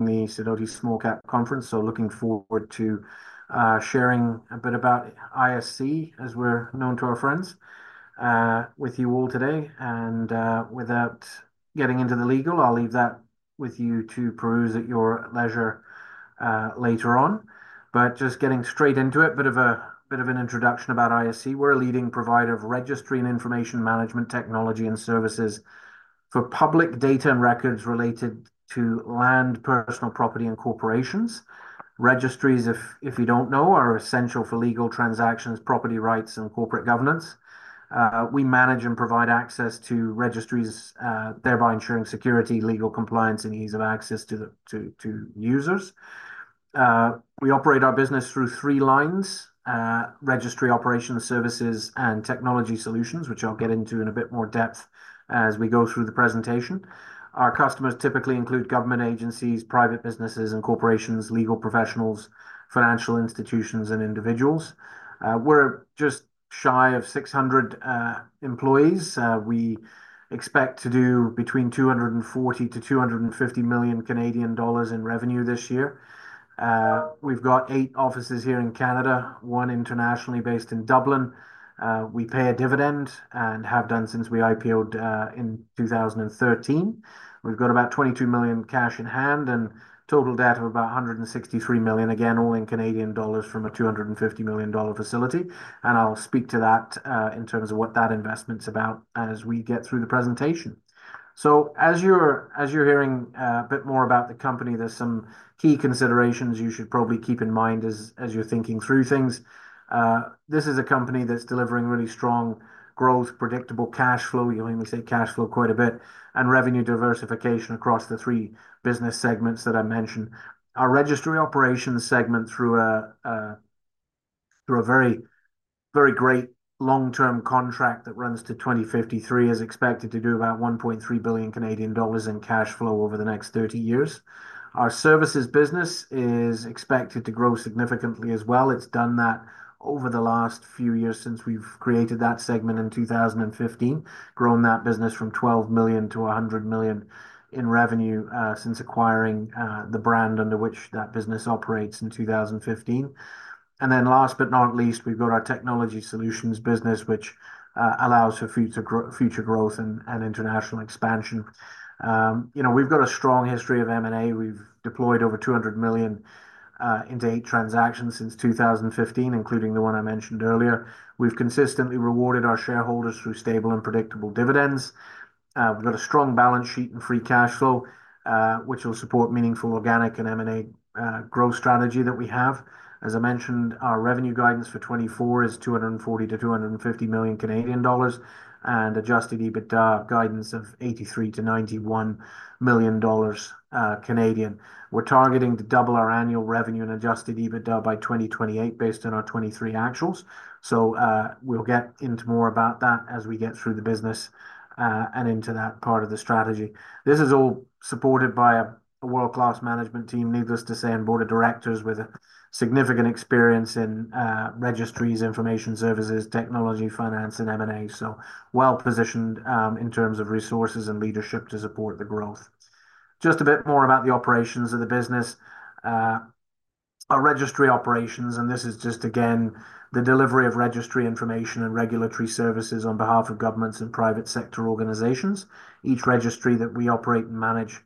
the Sidoti Small Cap Conference, so looking forward to sharing a bit about ISC, as we're known to our friends, with you all today, and without getting into the legal, I'll leave that with you to peruse at your leisure, later on, but just getting straight into it, bit of an introduction about ISC. We're a leading provider of registry and information management technology and services for public data and records related to land, personal property, and corporations. Registries, if you don't know, are essential for legal transactions, property rights, and corporate governance. We manage and provide access to registries, thereby ensuring security, legal compliance, and ease of access to the users. We operate our business through three lines: registry operations, services, and technology solutions, which I'll get into in a bit more depth as we go through the presentation. Our customers typically include government agencies, private businesses and corporations, legal professionals, financial institutions, and individuals. We're just shy of 600 employees. We expect to do between 240 million to 250 million Canadian dollars in revenue this year. We've got 8 offices here in Canada, one internationally, based in Dublin. We pay a dividend and have done since we IPO'd in 2013. We've got about 22 million cash in hand and total debt of about 163 million, again, all in Canadian dollars, from a 250 million dollar facility. I'll speak to that in terms of what that investment's about as we get through the presentation. As you're hearing a bit more about the company, there's some key considerations you should probably keep in mind as you're thinking through things. This is a company that's delivering really strong growth, predictable cash flow. You'll hear me say cash flow quite a bit, and revenue diversification across the three business segments that I mentioned. Our registry operations segment, through a very, very great long-term contract that runs to 2053, is expected to do about 1.3 billion Canadian dollars in cash flow over the next thirty years. Our services business is expected to grow significantly as well. It's done that over the last few years since we've created that segment in 2015, grown that business from 12 million to 100 million in revenue, since acquiring the brand under which that business operates in 2015. And then, last but not least, we've got our Technology Solutions business, which allows for future growth and international expansion. You know, we've got a strong history of M&A. We've deployed over 200 million into 8 transactions since 2015, including the one I mentioned earlier. We've consistently rewarded our shareholders through stable and predictable dividends. We've got a strong balance sheet and free cash flow, which will support meaningful organic and M&A growth strategy that we have. As I mentioned, our revenue guidance for 2024 is 240 million-250 million Canadian dollars, and Adjusted EBITDA guidance of 83 million-91 million dollars. We're targeting to double our annual revenue and Adjusted EBITDA by 2028 based on our 2023 actuals. So, we'll get into more about that as we get through the business, and into that part of the strategy. This is all supported by a world-class management team, needless to say, and board of directors with a significant experience in, registries, information services, technology, finance, and M&A. So well-positioned, in terms of resources and leadership to support the growth. Just a bit more about the operations of the business. Our registry operations, and this is just, again, the delivery of registry information and regulatory services on behalf of governments and private sector organizations. Each registry that we operate and manage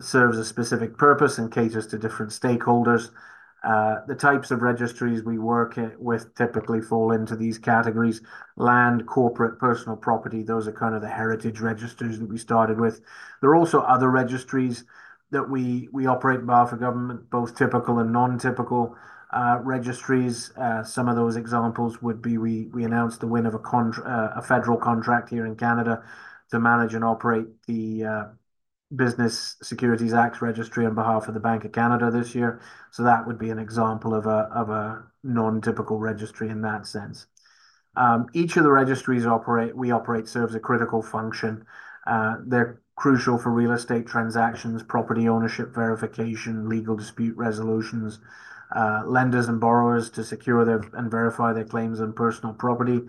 serves a specific purpose and caters to different stakeholders. The types of registries we work with typically fall into these categories: land, corporate, personal property. Those are kind of the heritage registries that we started with. There are also other registries that we operate on behalf of government, both typical and non-typical registries. Some of those examples would be we announced the win of a federal contract here in Canada to manage and operate the Bank Act Security Registry on behalf of the Bank of Canada this year. So that would be an example of a non-typical registry in that sense. Each of the registries we operate serves a critical function. They're crucial for real estate transactions, property ownership verification, legal dispute resolutions, lenders and borrowers to secure their and verify their claims on personal property.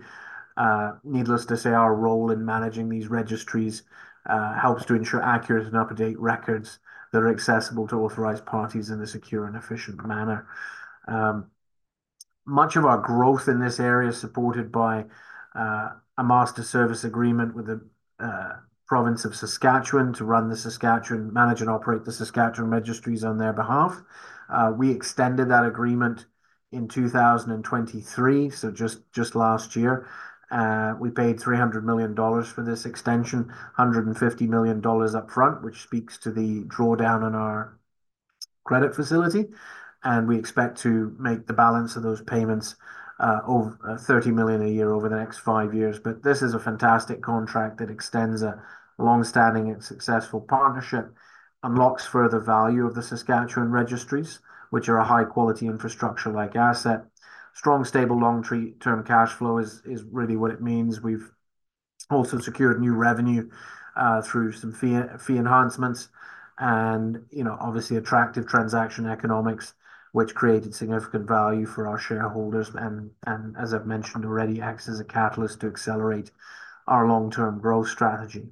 Needless to say, our role in managing these registries helps to ensure accurate and up-to-date records that are accessible to authorized parties in a secure and efficient manner. Much of our growth in this area is supported by a master service agreement with the province of Saskatchewan to manage and operate the Saskatchewan registries on their behalf. We extended that agreement in 2023, so just last year. We paid 300 million dollars for this extension, 150 million dollars upfront, which speaks to the drawdown on our credit facility, and we expect to make the balance of those payments over 30 million a year over the next 5 years. But this is a fantastic contract that extends a long-standing and successful partnership, unlocks further value of the Saskatchewan registries, which are a high-quality, infrastructure-like asset. Strong, stable, long-term cash flow is really what it means. We've also secured new revenue through some fee enhancements and, you know, obviously attractive transaction economics, which created significant value for our shareholders and, as I've mentioned already, acts as a catalyst to accelerate our long-term growth strategy.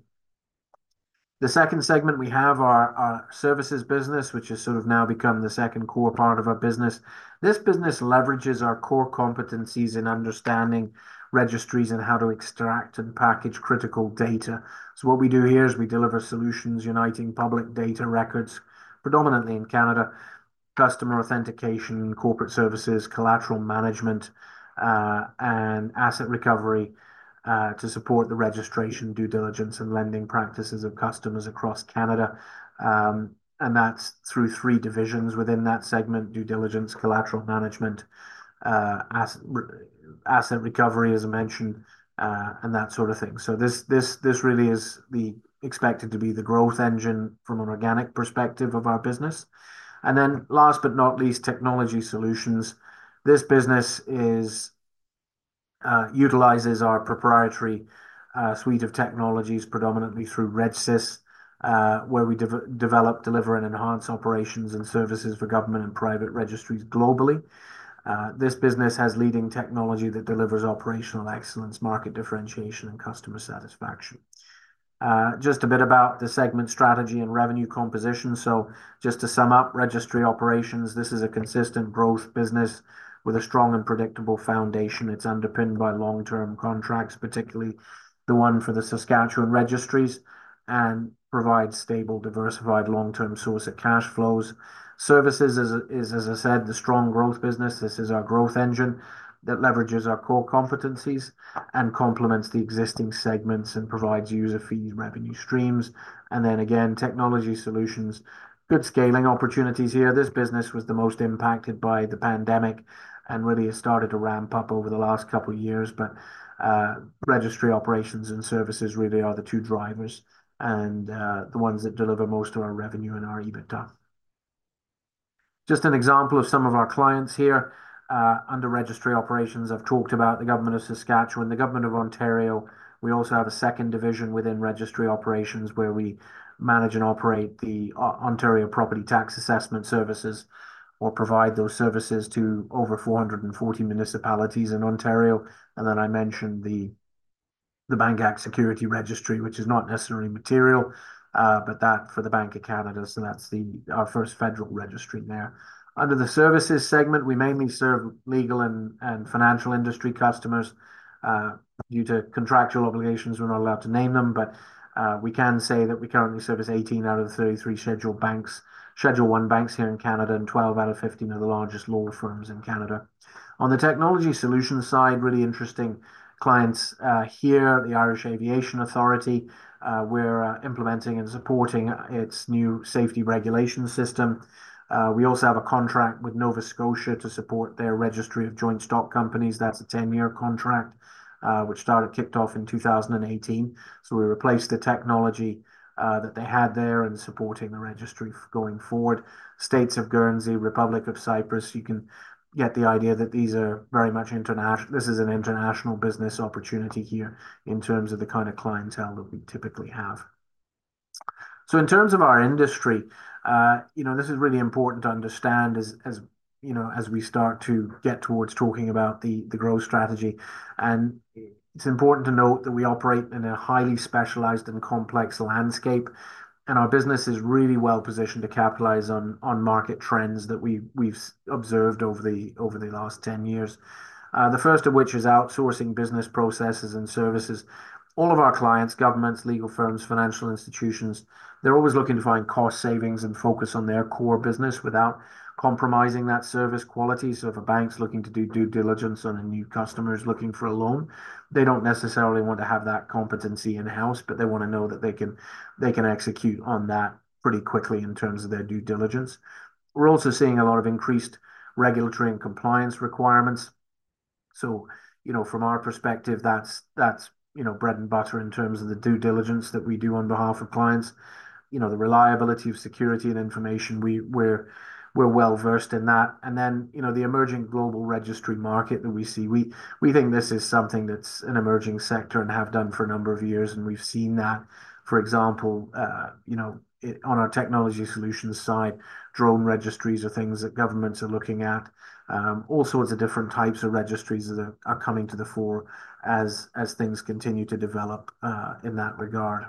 The second segment we have are our services business, which has sort of now become the second core part of our business. This business leverages our core competencies in understanding registries and how to extract and package critical data. So what we do here is we deliver solutions uniting public data records, predominantly in Canada, customer authentication, corporate services, collateral management, and asset recovery, to support the registration, due diligence, and lending practices of customers across Canada. And that's through three divisions within that segment: due diligence, collateral management, asset recovery, as I mentioned, and that sort of thing. So this really is expected to be the growth engine from an organic perspective of our business. And then last but not least, technology solutions. This business utilizes our proprietary suite of technologies, predominantly through RegSys, where we develop, deliver, and enhance operations and services for government and private registries globally. This business has leading technology that delivers operational excellence, market differentiation, and customer satisfaction. Just a bit about the segment strategy and revenue composition. So just to sum up, Registry Operations, this is a consistent growth business with a strong and predictable foundation. It's underpinned by long-term contracts, particularly the one for the Saskatchewan registries, and provides stable, diversified, long-term source of cash flows. Services is, as I said, the strong growth business. This is our growth engine that leverages our core competencies and complements the existing segments and provides user fees, revenue streams. And then again, Technology Solutions. Good scaling opportunities here. This business was the most impacted by the pandemic, and really has started to ramp up over the last couple of years. But registry operations and services really are the two drivers and the ones that deliver most of our revenue and our EBITDA. Just an example of some of our clients here. Under registry operations, I've talked about the Government of Saskatchewan, the Government of Ontario. We also have a second division within registry operations, where we manage and operate the Ontario Property Tax Assessment services or provide those services to over 440 municipalities in Ontario. And then I mentioned the Bank Act Security Registry, which is not necessarily material, but that for the Bank of Canada. So that's our first federal registry there. Under the services segment, we mainly serve legal and financial industry customers. Due to contractual obligations, we're not allowed to name them, but we can say that we currently service 18 out of the 33 Schedule I banks here in Canada, and 12 out of 15 of the largest law firms in Canada. On the technology solution side, really interesting clients, here, the Irish Aviation Authority, we're implementing and supporting its new safety regulation system. We also have a contract with Nova Scotia to support their Registry of Joint Stock Companies. That's a 10-year contract, which started, kicked off in two thousand and eighteen. So we replaced the technology that they had there and supporting the registry going forward. States of Guernsey, Republic of Cyprus, you can get the idea that these are very much international... This is an international business opportunity here in terms of the kind of clientele that we typically have. So in terms of our industry, you know, this is really important to understand as you know as we start to get towards talking about the growth strategy. And it's important to note that we operate in a highly specialized and complex landscape, and our business is really well positioned to capitalize on market trends that we've observed over the last 10 years. The first of which is outsourcing business processes and services. All of our clients, governments, legal firms, financial institutions, they're always looking to find cost savings and focus on their core business without compromising that service quality. So if a bank's looking to do due diligence on a new customer who's looking for a loan, they don't necessarily want to have that competency in-house, but they wanna know that they can execute on that pretty quickly in terms of their due diligence. We're also seeing a lot of increased regulatory and compliance requirements. So, you know, from our perspective, that's you know, bread and butter in terms of the due diligence that we do on behalf of clients. You know, the reliability of security and information, we're well-versed in that. And then, you know, the emerging global registry market that we see, we think this is something that's an emerging sector and have done for a number of years, and we've seen that. For example, you know, it on our technology solutions side, drone registries are things that governments are looking at. All sorts of different types of registries are coming to the fore as things continue to develop in that regard.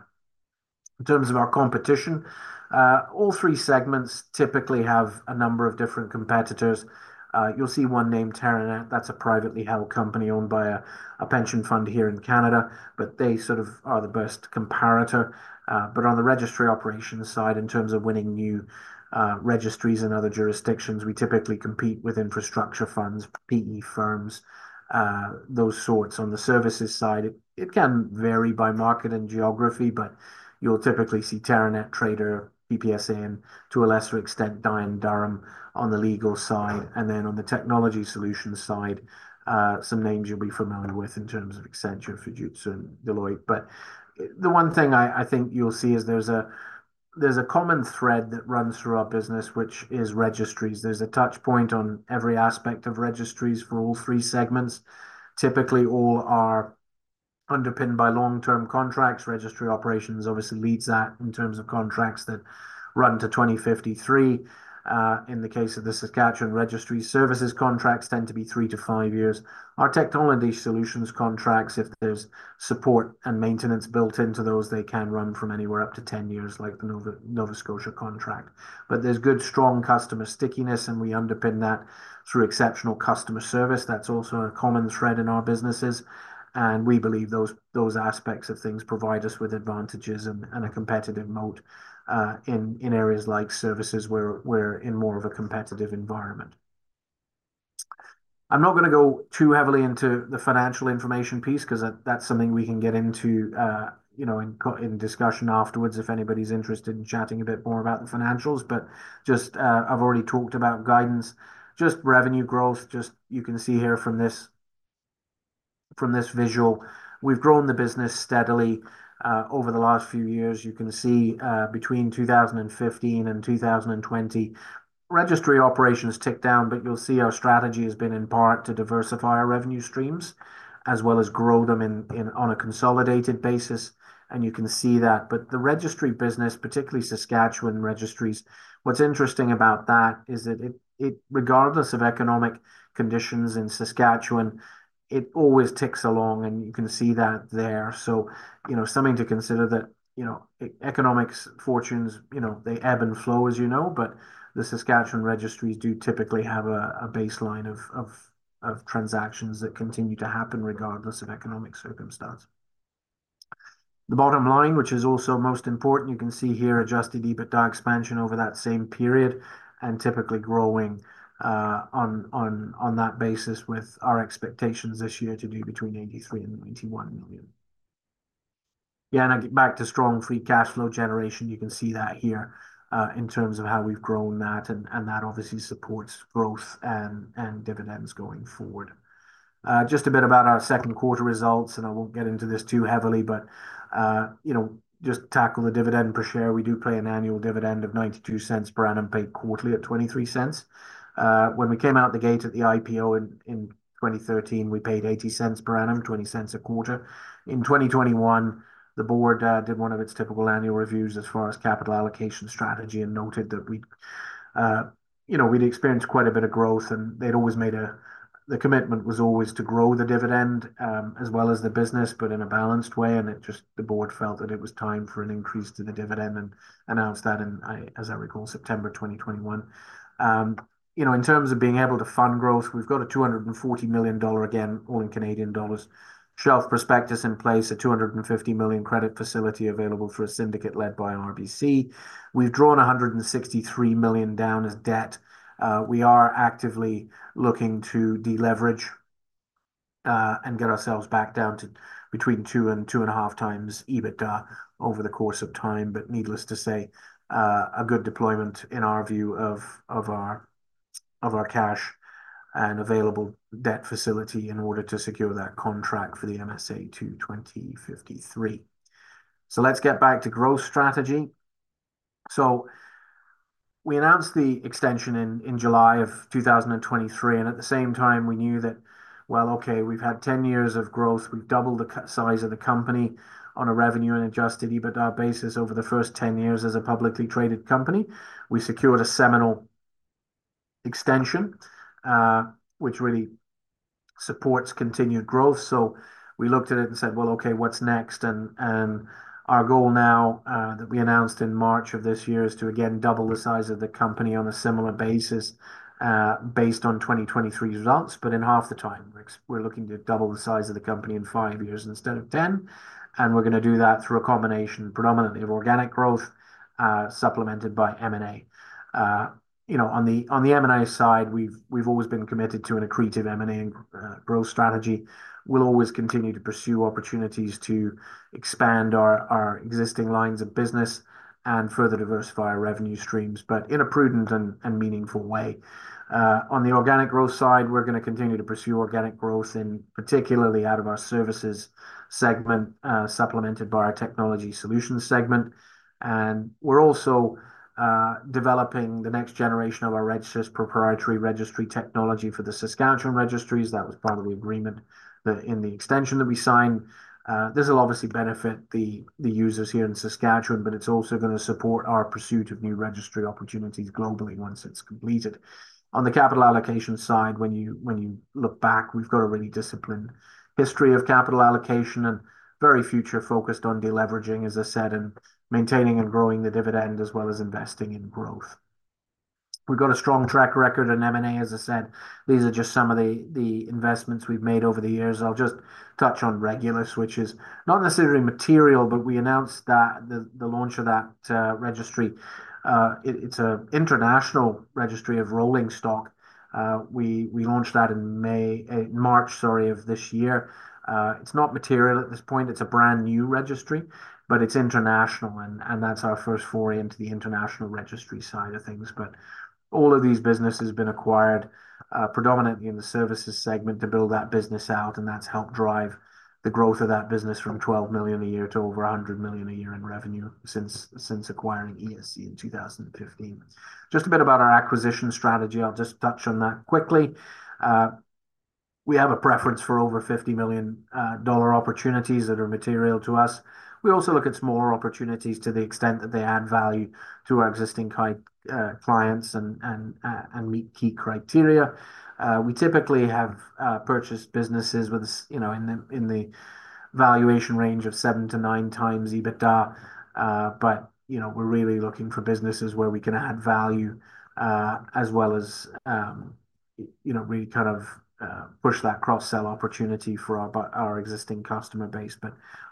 In terms of our competition, all three segments typically have a number of different competitors. You'll see one named Teranet. That's a privately held company owned by a pension fund here in Canada, but they sort of are the best comparator. But on the registry operations side, in terms of winning new registries in other jurisdictions, we typically compete with infrastructure funds, PE firms, those sorts. On the services side, it can vary by market and geography, but you'll typically see Teranet, Trader, BPSN, to a lesser extent, Dye & Durham on the legal side. And then on the technology solutions side, some names you'll be familiar with in terms of Accenture, Fujitsu, and Deloitte. But the one thing I think you'll see is there's a common thread that runs through our business, which is registries. There's a touch point on every aspect of registries for all three segments. Typically, underpinned by long-term contracts. Registry operations obviously leads that in terms of contracts that run to twenty fifty-three. In the case of the Saskatchewan Registry Services, contracts tend to be three to five years. Our technology solutions contracts, if there's support and maintenance built into those, they can run from anywhere up to 10 years, like the Nova Scotia contract. But there's good, strong customer stickiness, and we underpin that through exceptional customer service. That's also a common thread in our businesses, and we believe those aspects of things provide us with advantages and a competitive moat in areas like services, where we're in more of a competitive environment. I'm not gonna go too heavily into the financial information piece, 'cause that's something we can get into, you know, in discussion afterwards if anybody's interested in chatting a bit more about the financials. But just, I've already talked about guidance. Just revenue growth. You can see here from this visual, we've grown the business steadily over the last few years. You can see between 2015 and 2020, registry operations ticked down, but you'll see our strategy has been in part to diversify our revenue streams, as well as grow them in on a consolidated basis, and you can see that, but the registry business, particularly Saskatchewan registries, what's interesting about that is that it regardless of economic conditions in Saskatchewan, it always ticks along, and you can see that there, so you know, something to consider that, you know, economics fortunes, you know, they ebb and flow, as you know, but the Saskatchewan registries do typically have a baseline of transactions that continue to happen regardless of economic circumstance. The bottom line, which is also most important, you can see here, Adjusted EBITDA expansion over that same period and typically growing on that basis, with our expectations this year to do between 83 million and 91 million. Yeah, and back to strong free cash flow generation, you can see that here in terms of how we've grown that, and that obviously supports growth and dividends going forward. Just a bit about our second quarter results, and I won't get into this too heavily, but you know, just tackle the dividend per share. We do pay an annual dividend of 0.92 per annum, paid quarterly at 0.23. When we came out the gate at the IPO in 2013, we paid 0.80 per annum, 0.20 a quarter. In twenty twenty-one, the board did one of its typical annual reviews as far as capital allocation strategy, and noted that we'd, you know, we'd experienced quite a bit of growth, and they'd always made. The commitment was always to grow the dividend as well as the business, but in a balanced way. The board felt that it was time for an increase to the dividend and announced that in, as I recall, September twenty twenty-one. You know, in terms of being able to fund growth, we've got a 240 million dollar, again, all in Canadian dollars, shelf prospectus in place, a 250 million credit facility available through a syndicate led by RBC. We've drawn 163 million down as debt. We are actively looking to deleverage and get ourselves back down to between two and two and a half times EBITDA over the course of time. But needless to say, a good deployment in our view of our cash and available debt facility in order to secure that contract for the MSA to 2053. So let's get back to growth strategy. So we announced the extension in July of 2023, and at the same time, we knew that we've had ten years of growth. We've doubled the size of the company on a revenue and adjusted EBITDA basis over the first ten years as a publicly traded company. We secured a seminal extension, which really supports continued growth. So we looked at it and said, "Well, okay, what's next?" And, our goal now, that we announced in March of this year, is to again double the size of the company on a similar basis, based on 2023 results, but in half the time. We're looking to double the size of the company in five years instead of 10, and we're gonna do that through a combination predominantly of organic growth, supplemented by M&A. You know, on the M&A side, we've always been committed to an accretive M&A growth strategy. We'll always continue to pursue opportunities to expand our existing lines of business and further diversify our revenue streams, but in a prudent and meaningful way. On the organic growth side, we're gonna continue to pursue organic growth in, particularly out of our services segment, supplemented by our technology solutions segment. And we're also developing the next generation of our RegSys proprietary registry technology for the Saskatchewan registries. That was part of the agreement that in the extension that we signed. This will obviously benefit the users here in Saskatchewan, but it's also gonna support our pursuit of new registry opportunities globally once it's completed. On the capital allocation side, when you look back, we've got a really disciplined history of capital allocation and very future-focused on deleveraging, as I said, and maintaining and growing the dividend, as well as investing in growth. We've got a strong track record in M&A, as I said. These are just some of the investments we've made over the years. I'll just touch on Regulis, which is not necessarily material, but we announced that, the launch of that registry. It's an international registry of rolling stock. We launched that in May, March, sorry, of this year. It's not material at this point. It's a brand-new registry, but it's international, and that's our first foray into the international registry side of things. But all of these businesses have been acquired, predominantly in the services segment, to build that business out, and that's helped drive the growth of that business from 12 million a year to over 100 million a year in revenue since acquiring ESC in 2015. Just a bit about our acquisition strategy. I'll just touch on that quickly. We have a preference for over 50 million dollar opportunities that are material to us. We also look at smaller opportunities to the extent that they add value to our existing key clients and meet key criteria. We typically have purchased businesses with, you know, in the valuation range of seven to nine times EBITDA. But you know, we're really looking for businesses where we can add value as well as you know, really kind of push that cross-sell opportunity for our existing customer base.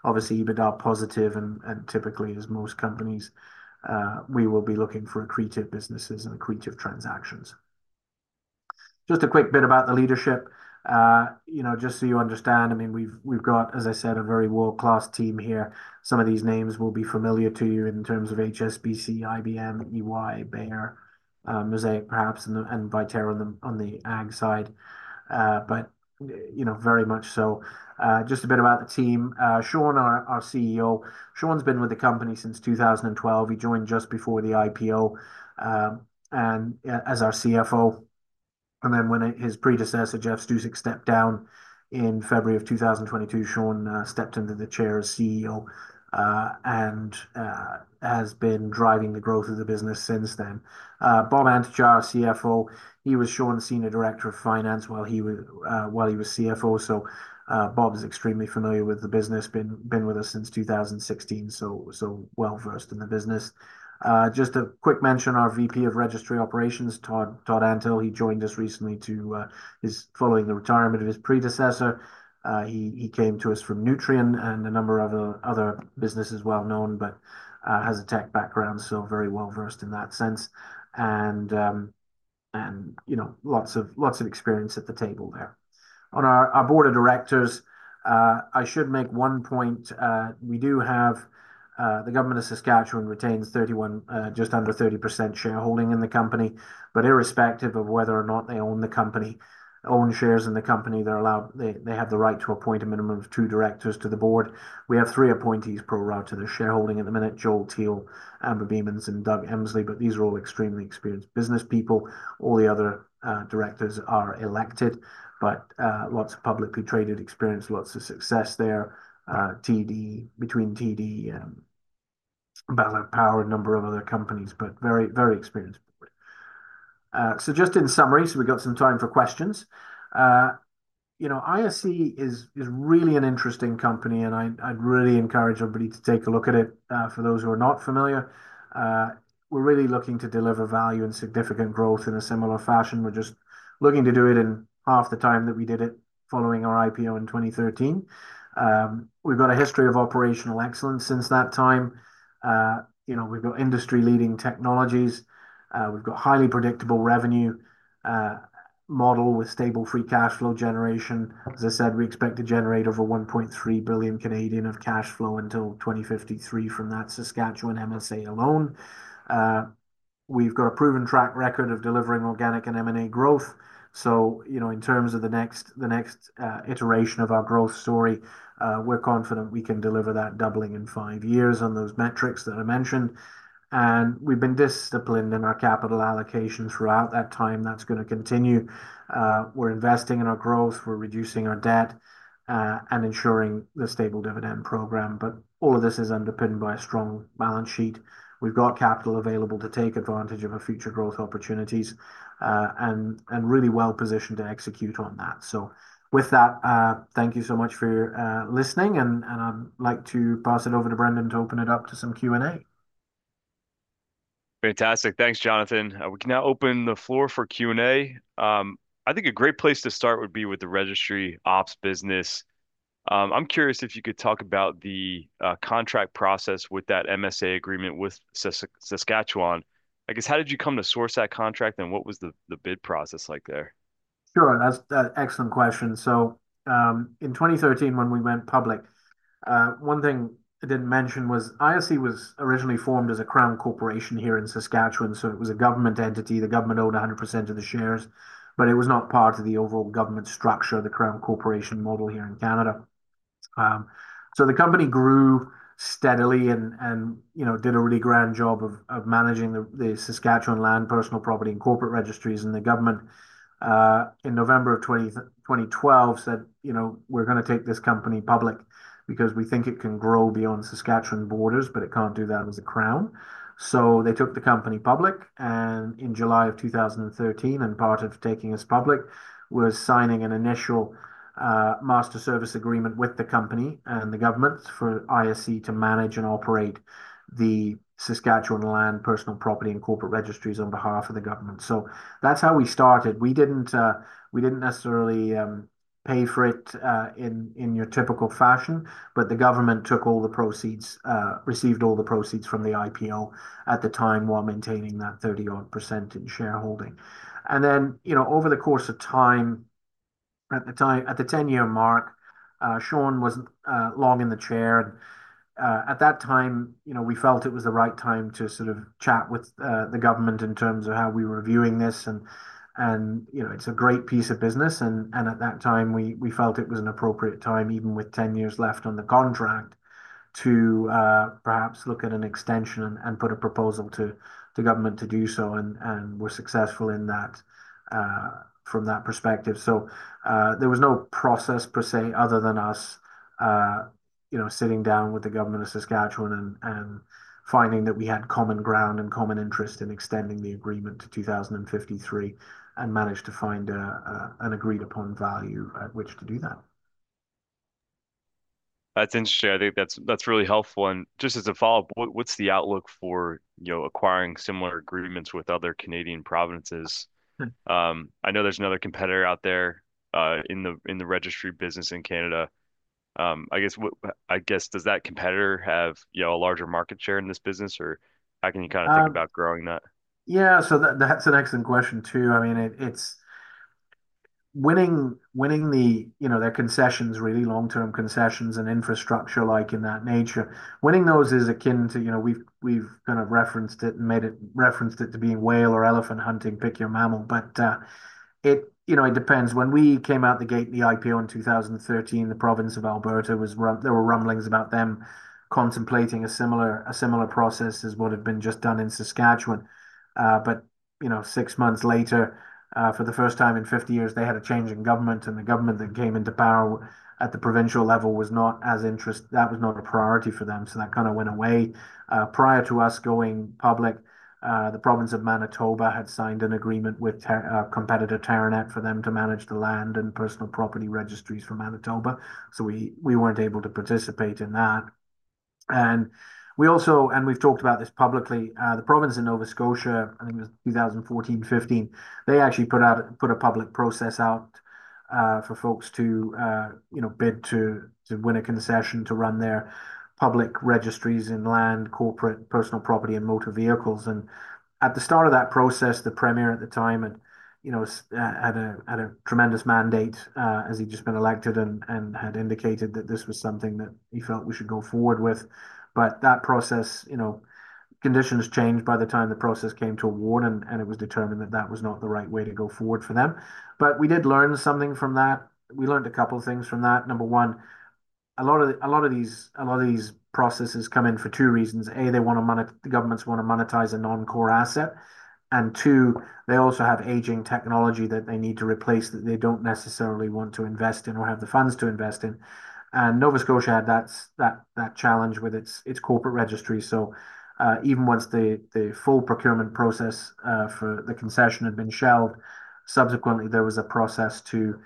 Obviously, EBITDA positive and typically, as most companies, we will be looking for accretive businesses and accretive transactions. Just a quick bit about the leadership. You know, just so you understand, I mean, we've got, as I said, a very world-class team here. Some of these names will be familiar to you in terms of HSBC, IBM, EY, Bayer, Mosaic perhaps, and Viterra on the ag side. But, you know, very much so. Just a bit about the team. Shawn, our CEO, Shawn's been with the company since two thousand and twelve. He joined just before the IPO, and as our CFO. And then, when his predecessor, Jeff Stusek, stepped down in February of two thousand and twenty-two, Shawn stepped into the chair as CEO, and has been driving the growth of the business since then. Bob Antoch, our CFO, he was Shawn's senior director of finance while he was CFO. So, Bob is extremely familiar with the business. Been with us since two thousand and sixteen, so well-versed in the business. Just a quick mention, our VP of Registry Operations, Todd Antill, he joined us recently. He's following the retirement of his predecessor. He came to us from Nutrien and a number of other businesses, well-known, but has a tech background, so very well-versed in that sense, and you know lots of experience at the table there. On our board of directors, I should make one point. We do have the Government of Saskatchewan retains 31, just under 30% shareholding in the company. But irrespective of whether or not they own shares in the company, they're allowed. They have the right to appoint a minimum of two directors to the board. We have three appointees pro rata to the shareholding at the minute: Joel Teal, Amber Biemans, and Doug Emsley. But these are all extremely experienced businesspeople. All the other directors are elected, but lots of publicly traded experience, lots of success there. TD, between TD and Ballard Power, a number of other companies, but very, very experienced board. So just in summary, so we've got some time for questions. You know, ISC is really an interesting company, and I'd really encourage everybody to take a look at it, for those who are not familiar. We're really looking to deliver value and significant growth in a similar fashion. We're just looking to do it in half the time that we did it following our IPO in twenty thirteen. We've got a history of operational excellence since that time. You know, we've got industry-leading technologies. We've got highly predictable revenue model with stable free cash flow generation. As I said, we expect to generate over 1.3 billion of cash flow until 2053 from that Saskatchewan MSA alone. We've got a proven track record of delivering organic and M&A growth, so you know, in terms of the next iteration of our growth story, we're confident we can deliver that doubling in five years on those metrics that I mentioned, and we've been disciplined in our capital allocation throughout that time. That's gonna continue. We're investing in our growth, we're reducing our debt, and ensuring the stable dividend program, but all of this is underpinned by a strong balance sheet. We've got capital available to take advantage of our future growth opportunities, and really well positioned to execute on that. So with that, thank you so much for listening, and I'd like to pass it over to Brendan to open it up to some Q&A. Fantastic. Thanks, Jonathan. We can now open the floor for Q&A. I think a great place to start would be with the registry ops business. I'm curious if you could talk about the contract process with that MSA agreement with Saskatchewan. I guess, how did you come to source that contract, and what was the bid process like there? Sure, that's an excellent question. So, in 2013, when we went public, one thing I didn't mention was ISC was originally formed as a Crown Corporation here in Saskatchewan, so it was a government entity. The government owned 100% of the shares, but it was not part of the overall government structure, the Crown Corporation model here in Canada. So the company grew steadily and, you know, did a really grand job of managing the Saskatchewan land, personal property, and corporate registries. The government in November of 2012 said, "You know, we're gonna take this company public because we think it can grow beyond Saskatchewan borders, but it can't do that as a Crown." They took the company public, and in July of 2013, and part of taking us public was signing an initial master service agreement with the company and the government for ISC to manage and operate the Saskatchewan land, personal property, and corporate registries on behalf of the government. That's how we started. We didn't necessarily pay for it in your typical fashion, but the government took all the proceeds from the IPO at the time, while maintaining that thirty-odd% in shareholding. And then, you know, over the course of time, at the ten-year mark, Shawn wasn't long in the chair. And at that time, you know, we felt it was the right time to sort of chat with the government in terms of how we were viewing this. And you know, it's a great piece of business, and at that time, we felt it was an appropriate time, even with ten years left on the contract, to perhaps look at an extension and put a proposal to government to do so, and we're successful in that from that perspective. So there was no process per se other than us... You know, sitting down with the government of Saskatchewan and finding that we had common ground and common interest in extending the agreement to two thousand and fifty-three, and managed to find an agreed upon value at which to do that. That's interesting. I think that's, that's really helpful. And just as a follow-up, what, what's the outlook for, you know, acquiring similar agreements with other Canadian provinces? Mm. I know there's another competitor out there in the registry business in Canada. I guess, does that competitor have, you know, a larger market share in this business, or how can you kind of- Um... think about growing that? Yeah, so that, that's an excellent question, too. I mean, it, it's winning the, you know, their concessions, really long-term concessions and infrastructure, like, in that nature. Winning those is akin to, you know, we've, we've kind of referenced it and referenced it to being whale or elephant hunting, pick your mammal. But, it, you know, it depends. When we came out the gate, the IPO in two thousand and thirteen, the province of Alberta was rum. There were rumblings about them contemplating a similar, a similar process as what had been just done in Saskatchewan. But, you know, six months later, for the first time in fifty years, they had a change in government, and the government that came into power at the provincial level was not as interested. That was not a priority for them, so that kind of went away. Prior to us going public, the province of Manitoba had signed an agreement with competitor Teranet for them to manage the land and personal property registries for Manitoba, so we weren't able to participate in that. And we've talked about this publicly, the province of Nova Scotia, I think it was 2014, 2015, they actually put a public process out for folks to, you know, bid to win a concession to run their public registries in land, corporate, personal property, and motor vehicles. And at the start of that process, the premier at the time, you know, had a tremendous mandate as he'd just been elected and had indicated that this was something that he felt we should go forward with. But that process, you know, conditions changed by the time the process came to award, and it was determined that that was not the right way to go forward for them. But we did learn something from that. We learned a couple things from that. Number one, a lot of the, a lot of these, a lot of these processes come in for two reasons: A, the governments wanna monetize a non-core asset, and two, they also have aging technology that they need to replace, that they don't necessarily want to invest in or have the funds to invest in. And Nova Scotia had that challenge with its corporate registry. So, even once the full procurement process for the concession had been shelved, subsequently, there was a process to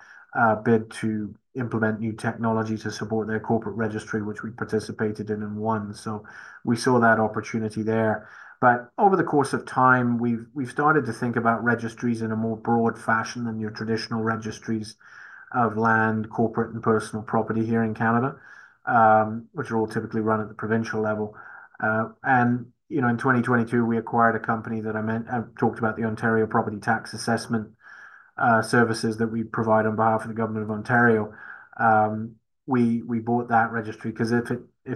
bid to implement new technology to support their corporate registry, which we participated in and won. So we saw that opportunity there. But over the course of time, we've started to think about registries in a more broad fashion than your traditional registries of land, corporate, and personal property here in Canada, which are all typically run at the provincial level. And, you know, in twenty twenty-two, we acquired a company that I meant - I talked about the Ontario Property Tax Assessment services that we provide on behalf of the Government of Ontario. We bought that registry, 'cause if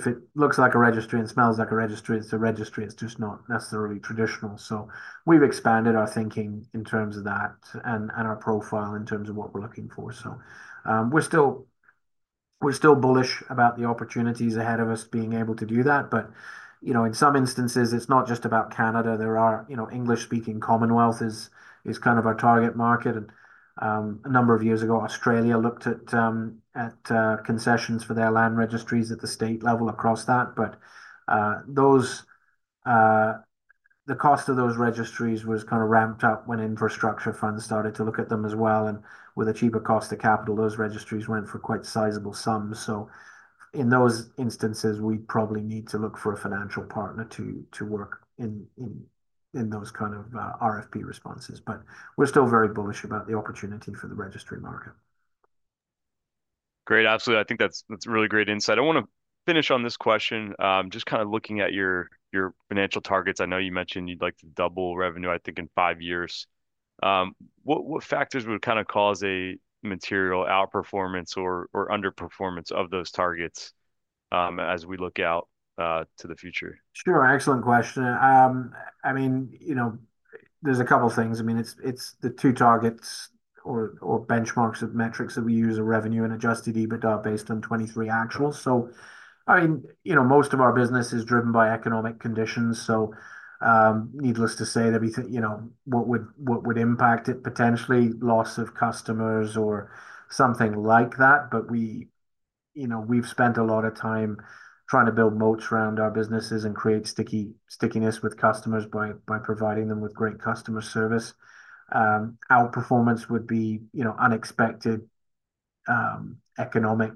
it looks like a registry and smells like a registry, it's a registry. It's just not necessarily traditional. So we've expanded our thinking in terms of that, and our profile in terms of what we're looking for. So, we're still bullish about the opportunities ahead of us being able to do that. But, you know, in some instances, it's not just about Canada. There are, you know, English-speaking Commonwealth is kind of our target market. And, a number of years ago, Australia looked at concessions for their land registries at the state level across that. But, the cost of those registries was kind of ramped up when infrastructure funds started to look at them as well, and with a cheaper cost to capital, those registries went for quite sizable sums. So in those instances, we'd probably need to look for a financial partner to work in those kind of RFP responses. But we're still very bullish about the opportunity for the registry market. Great. Absolutely. I think that's really great insight. I wanna finish on this question. Just kind of looking at your financial targets, I know you mentioned you'd like to double revenue, I think, in five years. What factors would kind of cause a material outperformance or underperformance of those targets, as we look out to the future? Sure. Excellent question. I mean, you know, there's a couple things. I mean, it's the two targets or benchmarks of metrics that we use are revenue and adjusted EBITDA based on 2023 actuals. So I mean, you know, most of our business is driven by economic conditions. So, needless to say that, we think, you know, what would impact it, potentially loss of customers or something like that. But we... You know, we've spent a lot of time trying to build moats around our businesses and create stickiness with customers by providing them with great customer service. Our performance would be, you know, unexpected economic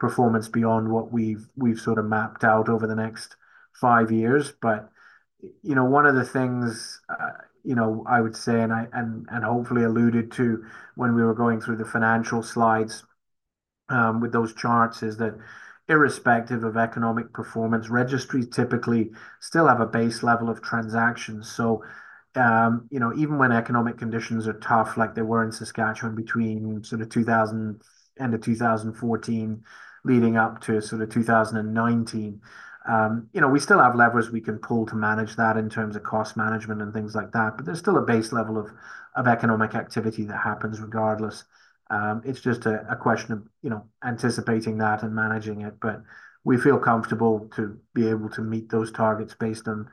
performance beyond what we've sort of mapped out over the next five years. But you know, one of the things, you know, I would say, and I hopefully alluded to when we were going through the financial slides, with those charts, is that irrespective of economic performance, registries typically still have a base level of transactions. So you know, even when economic conditions are tough, like they were in Saskatchewan between sort of 2000 and end of 2014, leading up to sort of 2019, you know, we still have levers we can pull to manage that in terms of cost management and things like that, but there's still a base level of economic activity that happens regardless. It's just a question of, you know, anticipating that and managing it. But we feel comfortable to be able to meet those targets based on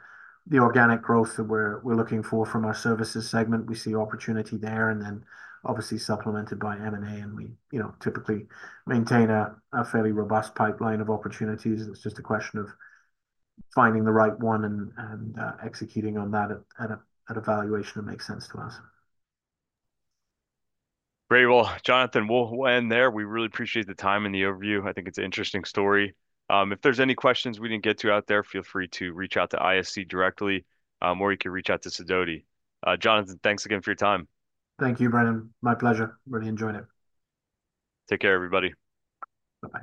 the organic growth that we're looking for from our services segment. We see opportunity there, and then, obviously, supplemented by M&A, and we, you know, typically maintain a fairly robust pipeline of opportunities. It's just a question of finding the right one and executing on that at a valuation that makes sense to us. Great. Well, Jonathan, we'll end there. We really appreciate the time and the overview. I think it's an interesting story. If there's any questions we didn't get to out there, feel free to reach out to ISC directly, or you can reach out to Sidoti. Jonathan, thanks again for your time. Thank you, Brendan. My pleasure. Really enjoyed it. Take care, everybody. Bye-bye.